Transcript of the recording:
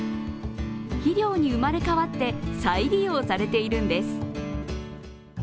肥料に生まれ変わって再利用されているんです。